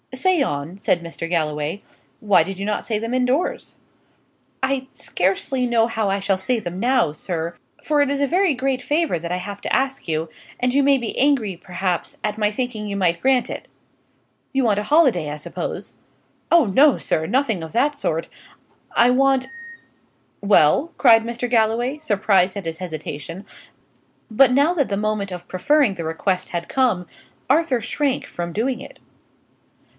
"Say on," said Mr. Galloway. "Why did you not say them indoors?" "I scarcely know how I shall say them now, sir; for it is a very great favour that I have to ask you, and you may be angry, perhaps, at my thinking you might grant it." "You want a holiday, I suppose?" "Oh no, sir; nothing of that sort. I want " "Well?" cried Mr. Galloway, surprised at his hesitation; but now that the moment of preferring the request had come, Arthur shrank from doing it.